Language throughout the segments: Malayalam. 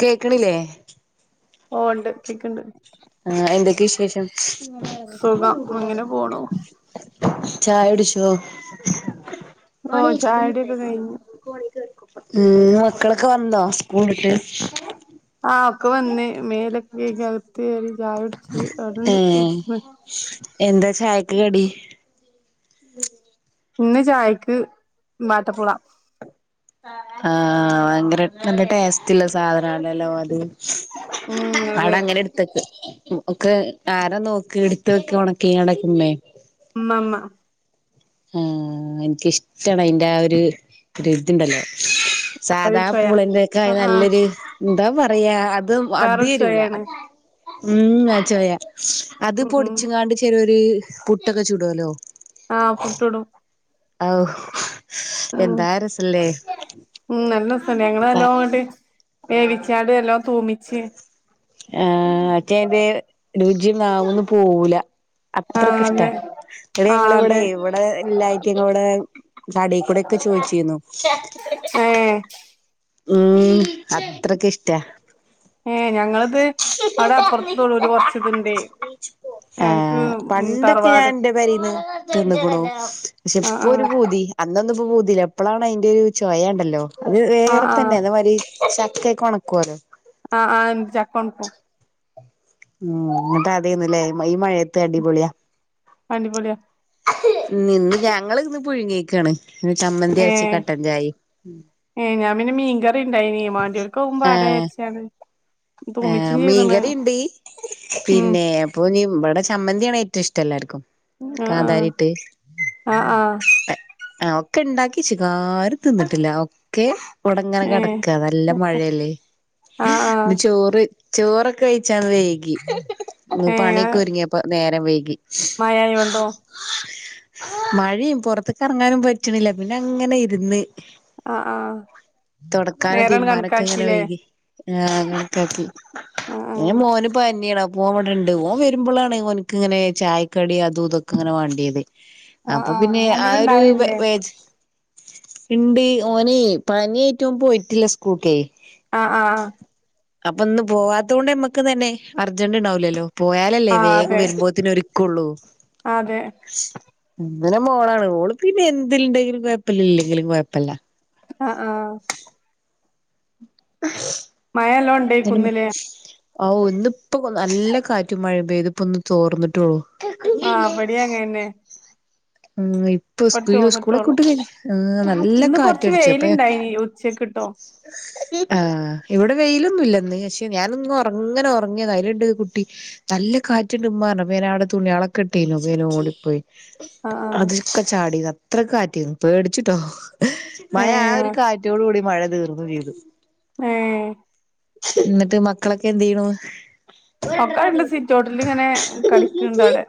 കേക്കണിലേ ഓ ഉണ്ട് കേക്കണ്ട് ആ എന്തൊക്കെ വിശേഷം സുഖം അങ്ങനെ പോണു ചായടിച്ചോ ഓ മം ചായുടിയൊക്കെ കഴിഞ്ഞു മക്കളൊക്കെ വന്നോ സ്കൂളിട്ട് ആ ഒക്ക വന്ന് മേലക്കെ കൈകി അകത്ത് കേറി ചായടിച് അവിടെണ്ട് ഏഹ് ഇരിക്ക്ണ് എന്താ ചായക്ക് കടി ഇന്ന് ചായക്ക് ബാട്ടപ്പുള ആ ഭയങ്കര നല്ല ടെസ്റ്റ്‌ ല്ല സാധാനല്ലോ അത് ഉം അട അതെ അങ്ങനെ എടുത്തക്ക് ഒക്കെ ആരാ നോക്കി എടുത്ത് വക്ക ഉണക്കിങ്ങാണ്ട് മ്മേ മമ്മ ആ എനിക്കിഷ്ടണ് അതിന്റെ ആ ഒരു ഒരു ഇതുണ്ടല്ലോ അത് സാധാ ചൊയ പൂളന്റെ ഒക്കെ ആഹ് ആഹ് നല്ലൊരു എന്താ പറയാ അത് അത് വേറൊരു രൂല ചൊയേണ് മം ആചോയ അത് ഉം ഉം പൊടിച്ചങ്ങാണ്ട് ചെലോര് പുട്ടൊക്കെ ചൂടുല്ലോ ആ പുട്ട് ടും ഓ മം മം നല്ലസണ്ട് ഞങ്ങൾ പ നല്ലോണ്ട് വേവിച്ചാട് നല്ലോം തൂമിച്ച് ആ റ്റെന്റെ രുചിനാവ്ന്ന് പോവൂല ആഹ് അത്രക്ക്‌ ഇഷ്ടാ അതെ ഇടെ ആഹ് ഞങ്ങള് ഇവടെ അതെ ഇവടെ എല്ലായിറ്റെം കൂടെ കടേ കൂടെ ത്ത് ചോയ്ചീന്നു ഏഹ് ഉം അത്രക്ക്‌ ഇഷ്ടാ ഏ ഞങ്ങളിത് അവടെ അപ്പറത്ത് തൊളുര് കൊറച്ച്ത്ണ്ടേ ആ പണ്ടൊക്കെ ഞാൻ തറവാട് എന്റെ പെരിന്ന് തീന്ന്ക്ക്ണു ആഹ് പക്ഷെപ്പോരു ആഹ് പൂതി അന്നൊന്നുംപ്പോ പൂതില്ല ഇപ്പോഴാണ് അതിന്റെ ഒരു ചോയ ഇണ്ടല്ലോ അത് ആഹ് വേറെ തന്നെ ആഹ് അതേ മാരി ചക്കക്കെ ഒണക്കൊല്ലൊ ആഹ് ആ എന്ത് ചക്കൊണക്കും ഉം ന്നിട്ട് അതിന്നല്ലേ ഈ മ മഴെ അടിപൊളിയാ നിന്ന് ഞങ്ങള് ഇന്ന് പുഴുങ്ങ്യെക്കാണ് ഏ ഏ ഞാൻ പിന്നെ മീൻകറി ഇണ്ടായിനി മാൻണ്ടിയൊൽക്ക്അ തും പാരാച്ചാണ്ട് ആ മീൻകറിണ്ട് ഉം പിന്നെ ഇപ്പൊ നി വടെ ചമ്മന്ത്യാണ് ഏ ഇഷ്ടല്ലാര്ക്കും ആഹ് കാന്താരിട്ട് തൈ ആഹ് ആഹ് ആഹ് ആ ഒക്കെ ഇണ്ടാക്കിച്ച്ക്കാ ആരും തിന്നിട്ടില്ല ഒക്കെ വ്ട്‌ങ്ങനെ ഏഹ് കെടക്ക നല്ല മഴല്ലേ ആഹ് ന് ആഹ് ചോറൊക്കെ കയ്ച്ചാൻ വൈകി പണിയൊക്കെ ഒരുങ്ങിയപ്പോ നേരം വൈകി മയയുണ്ടോ മഴിം പൊറത്ത്കെറങ്ങാനും പറ്റണില്ല പിന്നെ അങ്ങനെ ഇരുന്ന് ആഹ് ആഹ് തൊടക്കാന നേരാണ്ട് തീരുമബാനൊക്കെ ഇങ്ങനെ കണക്കാക്കിലേ വൈകി ആഹ് അങ്ങനക്കാക്കി ആഹ് ആഹ് മോന് പന്യാണ് ഓൻ ഇവിടെണ്ട് ഓൻ വരുമ്പോഴാണ് ഓന്ക്ക്ങ്ങനെ ചായക്കടി അതും ഇതൊക്കെ ഇങ്ങനെ വാണ്ടിയത് ആഹ് അപ്പൊ പിന്നെ ആഹ് ആ അവ്ടെ ഒരു വെ ഇണ്ടാവലില്ലേ വെച് ഇണ്ട് ഓനേ പന്യായ്ട്ട് ഓൻ പോയിട്ടില്ല സ്കൂൾക്കേ ആഹ് ആഹ് അപ്പൊന്ന് പോവാത്തോണ്ട് നമ്മക്ക് തന്നെ അർജന്റ്ണ്ടാവിലല്ലോ പോയാലല്ലേ ആഹ് വേഗം അതെ വരുമ്പോത്തിന് ഒരു കൊള്ളൂ അതെ അങ്ങനെ മോളാണ് മോള്ക്ക്‌ പിന്നെ എന്ത്ണ്ടെങ്കിലും കൊഴപ്പില്ല ഇല്ലെങ്കിലും കൊഴപ്പില്ല ആ ആ മയെല്ലാം ഉണ്ടെ ങ്ങനെ കുന്നില് ഔ ഇന്ന്പ്പോ നല്ല കാറ്റും മഴെം പെയ്തിപ്പോ ഒന്ന് തോർന്നിട്ട്ള്ളോ ആഹ് ഇബടിം അങ്ങനെന്നെ ഉം ഇപ്പൊ ഇപ്പട് സ്കൂ ഈ സ്കൂളൊക്കെ ചോർന്നിട്ടോള്ളു വിട്ടയ്ഞ്ഞ് നല്ല ഇന്ന് കൊറച്ച് കാറ്റടിച്ചു അപ്പ വെയിലുണ്ടായിനി ഉച്ചക്ക്ട്ടോ ആ ഇവടെ വെയിലൊന്നുല്ല പക്ഷെ ഞാനൊന്നും ഒറങ്ങനെ ഒറങ്ങിയതാ അതിലണ്ട് കുട്ടി നല്ല കാറ്റ്ണ്ട് ഉമ്മപറഞ്ഞു അപ്പോഞാനാവടെ തുണ്യോ ള് കെട്ട്യാനു അപ്പൊ ഞാനോടി പോയ് ആഹ് ആഹ് അതൊക്കെ ചാടിതാ അത്രക് കാറ്റ് പേടിച്ചിട്ടോ മഴ ആ ഒരു ഏഹ് കാറ്റോട് കൂടി മഴ തീർന്നു പെയ്തു ഏഹ് ന്നിട്ട് മക്കളൊക്കെ എന്ത് ചെയ്യണു ഒക്കെണ്ട് സിറ്റോട്ടില് ഇങ്ങനെ കളിക്ക്ണ്ട് അവിടെ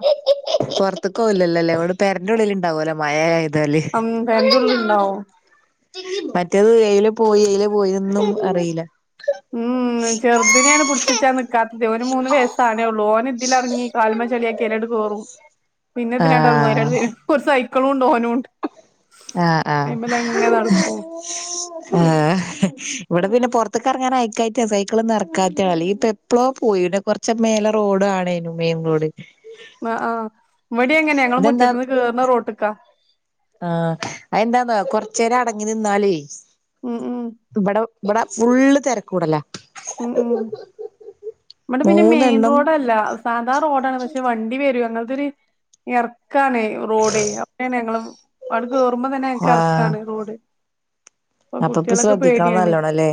പൊറത്ത്കോവിലേ ല്ലോല്ലേടെ പെരന്റെ ള്ളില്ണ്ടാവുലേ മഴആയതോ ഉം പെരന്റെ ഉള്ളില്ണ്ടാവും [unintelligible] മറ്റേത് എയിലെ പോയി [unintelligible] പോയതൊന്നും അറിയില്ല ഉം ചെറുതിനിനാണ് പിടിച്ചച്ചാ നിക്കാത്തതേ ഓന് മൂന്ന് വയസാണേ ഉള്ളൂ ഓൻ ഇതിലെറങ്ങി കാല്മേ ചള്യക്കി എലങ്കട് കേറും പിന്നെ ഇതിലങ്കട്‌ ഇറങ്ങും അയ്ലെ ആഹ് ഒരു സൈട്‌ ക്കളുണ്ട് ഓനുണ്ട് ആ ആ അയിമ്മലങ്ങനെ നടക്കും ആ ഇവടെ പിന്നെ പൊറത്ത് ത്ക്കെറങ്ങാൻ അയക്കാറ്റാണ് സൈക്കിള്ളൊന്നും അറക്കായിട്ട അല്ലെങ്കി ഇപ്പൊ എപ്പോള്ളോ പോയിന്നി കൊറച്ചണ് റോഡ് ആണേന്നും മെയിൻ റോഡ്. മ് ആ ഇതെന്താ ആ അയെന്താന്നോ കൊറച് പേരടങ്ങി നിന്നാലെയ് മ് മം ഇവടെ ഫുള്ള് തിരക്കൂടല. മം മം ഇവടെ പിന്നെ മെയിൻ മൂന്നെണ്ണം റോഡല്ല. ന്നാ റോഡാണ് പക്ഷെ വണ്ടി വെരും അങ്ങനത്തെ ഒരു ഏ ഇറക്കാണ് റോഡ് അ ഞങ്ങളെ അവിടെണ് ഞങ്ങളെ വീ അവ്ടെ കേയറുമ്പോ തന്നെ ആഹ് ഇറക്കാണ് റോഡ് അപ്പോ അപ്പ ഇപ്പ കുട്ടികളൊക്കെ ശ്രദ്ധിക്കണം പേടിയാണ് നല്ലോണം ല്ലേ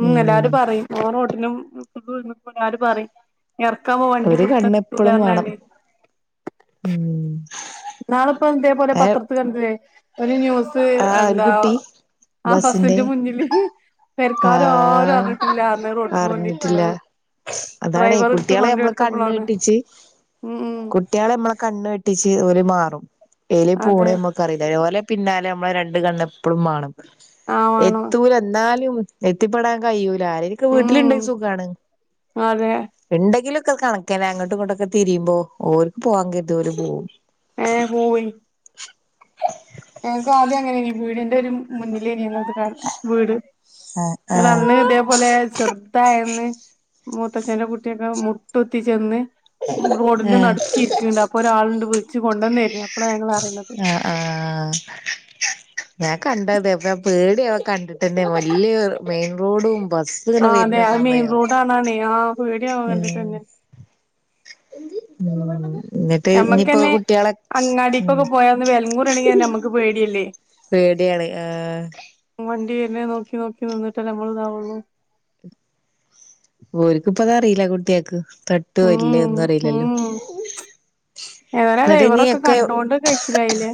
ഉം എല്ലാരും പറയും. ഓ [unintelligible] പറിം. ഇറക്കാമ്പോ ഒരു വണ്ടിപുട്തം കണ്ണ് എപ്പളും വേണം കിട്ടൂലറഞ്ക്കണ്ടേയ് ഉം ന്നാളിപ്പോ ഇതേപോലെ ഏ പത്രത് കണ്ടീലെ ഒരു ന്യൂസ് ബ് ആ ഒരു എന്താ കുട്ടി ആ ബസിന്റെ മുന്നില് ആ പേരക്കാര് ആരും അറിഞ്ഞിട്ടില്ലാരുറിഞ്ഞിട്ടില്ല ർ ഞ്ഞു റോട്ട്മ്മേ അറിഞ്ഞിട്ടില്ല വെന്നിരിക്കണത്. അതാണേ ഡ്രൈവർ ഇട്ത്ത് കൊണ്ടോയി കൊട് ത്തപ്പോളാണ് കുട്ടിയാൾ മ്മളെ കണ്ണ് വെട്ടിച്ച് ഓല് മാറും എയ്ലെ പൂണ് അതെ ഞമ്മക്കറില്ല ഓലെ പിന്നാലെ ഞമ്മളെ രണ്ട് കണ്ണ് എപ്പള്ളും മാണം. ആ വാണം എത്തൂലന്നാലും എത്തിപ്പെടാൻ കയ്യൂ ആരൊക്കെ ഉം വീട്ടിലിണ്ടെങ്കിലും സുഖാണ് അതെ ഇണ്ടെങ്കിലും. കണക്കെന്നെ അങ്ങോട്ടും ഇങ്ങോട്ടൊക്കെ തിരിയ്പോ ഓര് പോവാൻ കെരുതിയൊര് പോവും. ഏ പോവെയ്. ങ്ങനെ പീടിയന്റെയൊരു മുന്നിലെയ്നിം ഞങ്ങളത് ക വീട് ആ ആ അന്ന് ഇതേപോലെ ചെറുതായെന്ന്. മൂത്തച്ഛന്റെ കുട്ടിയൊക്കെ മുട്ടുത്തി ചെന്ന്. മ്മൾ റോഡിന്റെ ആ നട്ക്കി ഇരിക്കിണ്ട് അപ്പൊ ഒരാൾണ്ട് വിളിച്ച് കൊണ്ടെന്നരാ. അ ആ. ഞാൻ കണ്ടത് അപ്പ പേടിയാവ കണ്ടിട്ടെന്നെ വല്ല്യ മെയിൻ റോഡും. ബസ് ആ ഇങ്ങനെ അതെ വരുന്ന അത് മെയിൻ സമയം റോഡണണേ ആ പേടിയാവ ഉം കണ്ടിട്ടെന്നെ. [unintelligible] ന്നിട്ട് ഞ്ഞിപ്പോ ആ ഞമ്മക്കെന്നെ കുട്ടികളെ ഉം. അങ്ങാടിക്കൊക്കെ പോയാന്ന് വെലങ്ങൂറാണെങ്കി തന്നെ നമ്മക്ക് പേടിയല്ലേ പേടിയാണ് ആ. പിന്നെ നോക്കി നോക്കി നിന്നിട്ടല്ലേ നമ്മൾ ഇതാവുള്ളൂ. ഓര്ക്ക്പ്പൊതറീല കുട്ടിയാക്ക് തട്ടോ ഇല്ലേ ഒന്നും അറിയില്ലല്ലോ? ഞാനാ ആ ഡ്രൈവറൊക്കെ കണ്ടോണ്ട് കഴിച്ചിലായിലെ.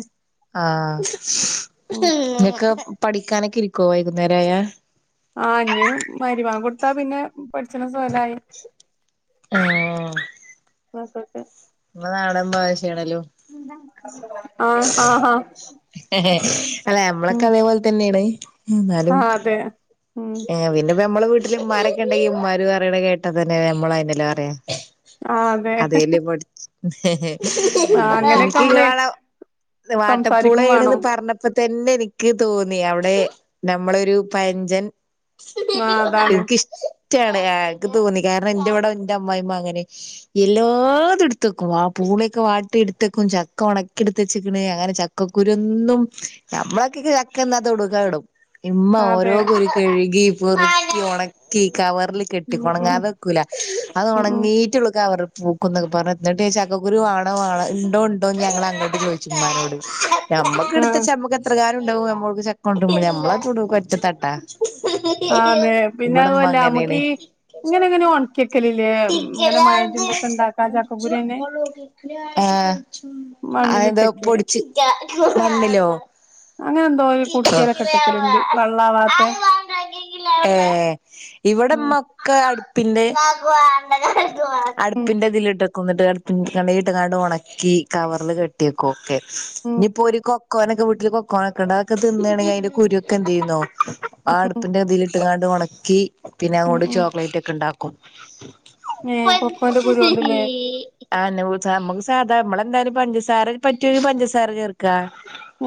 ആ ഉം എക്കം. പഠിക്കാനൊക്കെ ഇരിക്കോ വൈകുന്നേരയാ? ആ ഇഞ്ഞു മരിബാങ്കൊടുത്താൽ പിന്നെ പഠിച്ണ സോലായി. ആഹ്. ന്നാ അയ്ക്കോട്ടെ. ങ്ങൾ നാടൻബാഷേണല്ലോ? ആഹ് ആഹാ അല്ല ഉം ഞമ്മളൊക്കെ അതേപോലെ തന്നെയാണ്. ഇന്നാലും ആഹ് അതെ ഉം എ പിന്നെ ഇപ്പൊ ഞമ്മളെ വീട്ടില് ഇമ്മാ രൊക്കെണ്ടെങ്കിൽ ഇമ്മാർ പറീണത് കേട്ടതന്നെല്ലേ ഞമ്മളഅയന്നല്ലേ പറയാ. ആ അതെ. ആഹ് അങ്ങനെയൊക്കെ ഇൻക് നമ്മളെ ഇങ്ങളാണോ. സംസാരിക്കും വാട്ടപ്പൂപൂളആണ് വേണം പറഞ്ഞപ്പോ തെന്നെ എനിക്ക് തോന്നി അവിടെ. ടെ ഞമ്മളൊരു പയഞ്ചൻ ആഹ് അതാണ് ഇൻക്ക്ശ്. റ്റാണ് ആ ഇൻക്ക് തോന്നി കാരണം ഇൻ്റെവിടെ ഇന്റെ അമ്മായിഇമ്മ അങ്ങനെ എല്ലാതും ഇട്ത്ത് വെക്കും ആ ബുക്ക്‌. പൂളൊക്കൊ വാട്ടി ഇടത്തെക്കും ചക്ക ഒണക്കി എടുത്ത് വെച്ച്ക്കുണ് അങ്ങനെ ചക്കക്കുരുന്നും നമ്മളൊക്കെ. ചക്കെന്ന ആ തൊടൂക്കാ ഇടും. ഇമ്മ ഓരോ അതെ കുരു കഴുകി പെറുക്കി ഒണക്കി കവർ. ല്കെട്ടി ഉം ഉം കൊണങ്ങാതെ വെക്കൂല അത് ഉം ഉം ഒണങ്ങീട്ടെള്ളൂ കവറ്. പൂക്കുംന്നൊക്കെ പറഞ്ഞ് എന്നിട്ട് ചക്കക്കുരു വേണോ വേണോ ഇണ്ടോ ഇണ്ടോന്ന് ഞങ്ങൾ അങ്ങോട്ട് ചോദിച്ചു ഇമ്മാനോട്. ഞമ്മക്ക് ഇടുത്ത് ആഹ് വെച്ച ഞമ്മക്ക് എത്ര കാലം ഉണ്ടാവും നമ്മക്ക് ചക്ക കൊണ്ടരുമ്പഴേ മള് അത് തൊടുക്ക് ഒറ്റത്തട്ടാ. ആഹ് അതെ പിന്നെ ഇവിടമ്മ അതുവല്ല നമ്മക്ക് അങ്ങനെയാണ്. [inaudible] ഈ ഇങ്ങനെ ഇങ്ങനെ ഒണക്കിയെക്കലില്ലേ ഇങ്ങനെ മഴജുമ്പൊക്കെ ഇണ്ടാക്കാ ചക്കക്കുരന്നെ ആഹ് അതന്തൊ മണ്ണിലിട്ടക്കെ പൊടിച്ച് മണ്ണിലോ അങ്ങനെഎന്തോ ഈ കുടക്കേലൊക്കെട്ടക്കലുണ്ട് വള്ളാവാത്തെ ഏ ഇവിടെമ്മൊക്കെ അടുപ്പിന്റെ. ഉം അടുപ്പിന്റെ ഇതിൽ ഇട്ടക്കും ന്നിട്ട് അടുപ്പിൻകണ്ണിലിട്ട്കാണ്ട് ഉണക്കി കവറില് കെട്ടി വെക്കും. ക്കെ ഉം ഇനിയിപ്പോ ഒരു കൊക്കോനൊക്കെ വീട്ടില് കൊക്കോനൊക്കെണ്ട് അതൊക്കെ തിന്നാണെങ്കിൽ അതിന്റെ കുരുക്കെ എന്ത് ചെയ്യുന്നോ ആ ഉം അടുപ്പിന്റെ ഇതിലിട്ട്കാണ്ട് ഉണക്കി പിന്നെ ഉം അങ്ങോട്ട് ഉം ചോക്ലേറ്റ് ഒക്കെ ഇണ്ടാക്കും. ഏഹ് കൊക്കോന്റെ കുരോണ്ട്ല്ലേ അയന്നെ വീട് സാമുക്ക് സാധാ നമ്മളെല്ലാരും പഞ്ചസാര പറ്റിയൊരു പഞ്ചസാര ചേർക്കാ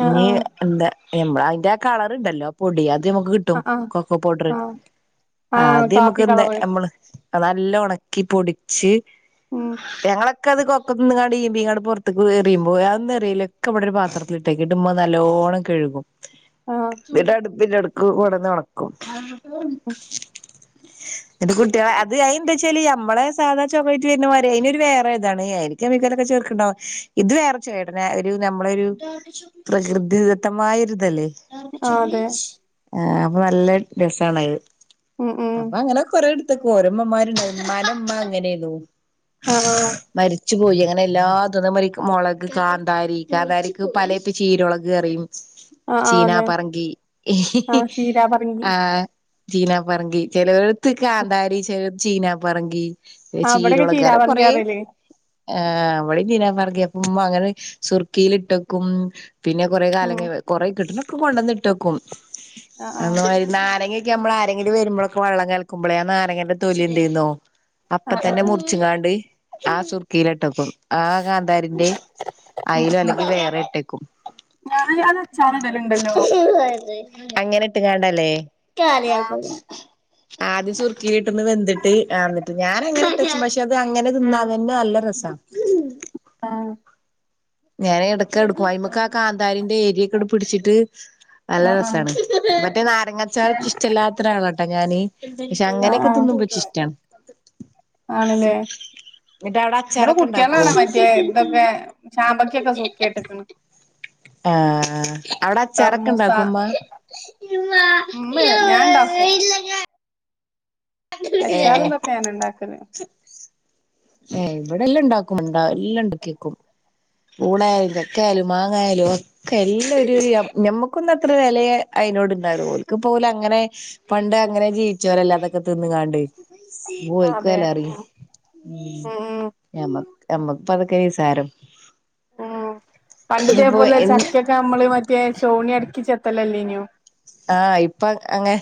ആ ഇനി എന്താ [unintelligible] മ്മളാ അയിന്റെ കളറ്ണ്ടല്ലോ പൊടി അത് നമുക്ക് ആ കിട്ടും ആ കൊക്കോ പൗഡറ്. ആ ആ ആ ആദ്യം മ്മക്ക് കാപ്പി എന്താ കളറ് നമ്മള് നല്ല ഒണക്കി പൊടി ച്ച് ഉം ഞങ്ങള ക്കെ അത് കൊക്കത്ത്ങ്ങട് ഈമ്പി ങാൻട് പുറത്തക്ക് എറിയുമ്പോ അതൊന്ന് എറിയില്ലെക്കെ ബടൊരു പത്രത്തില് ഇട്ടെക്കും ട്ട് മ്മ നല്ലോ [unintelligible] കഴുകും ആ ന്നിട്ട് അടുപ്പിൻ്റടക്ക് കൊടന്ന് ഒണക്കും. [inaudible] ന്നിട്ട് കുട്ടിളെ അത് അയ് എന്താച്ചാല് നമ്മളെ സാധാ ചോക്ലേറ്റ് വരുന്നമാരി അതിനു വേറെതാണ് അയില്ക്ക [unintelligible] ക്ക്ണ്ടാവും ഇത് വേറെ ചേട്ടനാ ഒരു നമ്മള് ഒരു പ്രകൃതിദത്തമായ ഒരു തല്ലേ ആ അതെ ആ അപ്പൊ നല്ല രസാണ ഉം ഉം അപ്പൊ അങ്ങനെ കൊറെ ഇടുത്തക്കും ഓരോമ്മമ്മാരുണ്ടാ ഉമ്മാൻ്റെ ഉമ്മ അങ്ങനേർന്നു ആഹ് ച്ച് പോയി അങ്ങനെ എല്ലാത് ന്നും മാരിയക്ക് ഒരു മുളക് കാന്താരി കാന്താരിക്ക് പല ഇപ്പ ചീരുളക് പറയും ആ ആ ചീനാ അതെ പറങ്കി ആ ചീരാ പറങ്കി ആഹ് ചീനാ പറങ്കി ചെല എടുത്ത് കാന്താരി ചെല ചീനാ പറങ്കി ആ ഇവിടെക്കെ ചീരളക് ചീരാ അരേ പറങ്കിയാ കൊറയും പറയല് ആ ഇവിടെ ചീനാപറങ്കി ഉമ്മങ്കട് സുർക്കേലിട്ടക്കും പിന്നെ കൊറെ ഉം കാലങ്ങള് കൊറെ കിട്ടണക്കെ കൊണ്ട ന്നിട്ടേക്കും ആ ആ അന്ന മാരി നാരങ്ങക്കെ നമ്മള് അ രങ്കിലും വരുമ്പോഴൊക്കെ വെള്ളം കലക്കുമ്പോളെ ആ നാരങ്ങന്റെ തൊലി ഇണ്ടേന്നോ അപ്പൊ ആ ആ തന്നെ മുറിച്ചുങ്ങാണ്ട് ആ സുർക്കേല് ഇട്ടക്കും ആ കാന്താരിൻ്റെ ഉം അയിലോ ഉം അല്ലെങ്കിൽ വേറെ ഇട്ടക്കും ഞാന് അത് അച്ചാറിടലുണ്ടല്ലോ അങ്ങനെ ഇട്ട് കാണ്ടല്ലേ ആ ആദ്യം സുർക്കില് ഇട്ടൊന്ന് വെന്ത്ട്ട് ആന്നിട്ട് ഞാന അങ്ങനെ ഇട്ടച്ച് പക്ഷെ അത് അങ്ങനെ തിന്നാന്നെന്നെ നല്ല രസ സാ ആഹ് ഞാന് എടക്ക് എടുക്കും അയ്മക്ക് ആ കാന്താരിന്റെ എരി ക്കെട് പിടിച്ചിട്ട് നല്ല ആ ആ രസാണ് മറ്റേ നാരങ്ങച്ചാറ് നിക്കിഷ്ടല്ലാത്ത ഒരാളാണ് ട്ട ഞാന് പക്ഷെ ആ അങ്ങനെയൊക്കെ ആ തിന്നുമ്പോ ച്ച് ഇഷ്ടാണ് ആണല്ലേ എന്നിട്ട് അവിടെ ഇവിടെ അച്ചാറൊക്കെ ഇണ്ടാക്കോ കുട്ടികളാണ് മറ്റേ ഇതൊക്കെ ചാമ്പക്കൊക്കെ സൂർക്കെട്ടക്കണ് ആഹ് ആ അവിടെ അച്ചാറക്കെ ഇണ്ടാക്കോമ്മ ഉമ്മല്ല ഞാൻ ഇണ്ടാക്കും അച്ചാറും ഏഹ് തൊക്കെ ഞാൻ ഇണ്ടാക്കല് ഏ ഇവിടെ എല്ലാം ഇണ്ടാക്കും ഇണ്ടാ എല്ലാം ഇണ്ടാക്കിവക്കും ഊണായാലും ചക്കായാലും മാങ്ങായാലും ഒക്കെ എല്ലാം ഒരു ഒരു യ ഞമ്മുക്കൊന്ന് അത്ര വലിയ അയ് നോട്ന്നരു ഓൽക്ക് പ്പോ ഓല് അങ്ങനെ പണ്ട് അങ്ങനെ ജീവിച്ചോരല്ലെ അതൊക്കെ തിന്ന് കാണ്ട് അതെ വോഓൽകാലൊഅറിയും ഉം ഉം ഉം. ഞമ്മക്ക് നമ്മക്ക് പതൊക്കെ നിസാരം മ്മ് ഇനിയിപ്പോ പണ്ട്തേപോലെ എന്ന് ചക്കയൊക്കെ മ്മള് മറ്റേ ചൗണി അടക്കി ചെ ത്തലല്ലേനോ ആഹ ഇപ്പൊ ക അങ്ങെ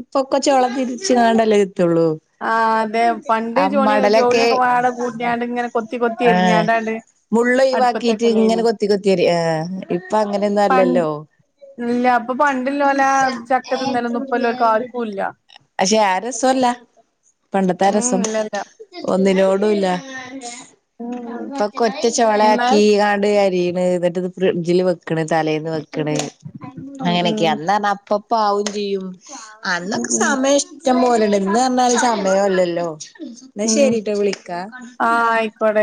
ഇപ്പൊ ക്കെ ചൊള തിരിച്ച് കാണ്ടല്ലേ കിട്ടുള്ളൂ ആഹ് അതെ പണ്ട് ആ ചോണി മടലൊക്കെ ചോണിയൊക്കെ വാട കൂട്ടിയാണ്ട് ഇങ്ങനെ കൊത്തി കൊത്തി ആഹ എരിഞ്ഞാണ്ടാണ്ട് മുള്ള് ഒഴിവാക്കിട്ട് ങ്ങനെ അടുപ്പത്തൊക്കെല്ലേനി കൊത്തി കൊത്തിരിയും ആ ഇപ്പൊ അങ്ങനെയൊന്നും അല്ലല്ലോ മ്മ്ല്ലാ. അപ്പൊ പണ്ടില്ലോല ആ ചക്കത്തിന്നലൊന്നും പ്പല്ലോൽക്ക ആർകുല്ല പക്ഷെ ആ രസോല്ല പണ്ടത്തെ ആ രസം ഒന്നിനോടുല്ല ഉം പ്പൊ കൊറ്റ എന്നാൽ ച്ചോളാക്കി ആണ്ട്അരിയു ഹ് ന്നിട്ട്ത് ഫ്രിഡ്ജിൽ വെക്ണ് തലേന്ന് വെക്ണ് ഉം അങ്ങനെയൊക്കയ ഉം അന്നാണ അപ്പൊ പാവും ചെയ്യും. അന്നൊക്കെ ഉം സമയ ഇഷ്ടം പോലെണ്ട ഇന്ന് അർന്നാല് സമയല്ലല്ലോ ന്ന ഉം ശേരിയിട്ടോ വിളിക്ക ആഹ് ആയിക്കോട്ടെ